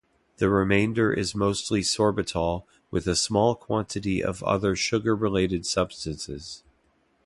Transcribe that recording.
The remainder is mostly sorbitol, with a small quantity of other sugar-related substances.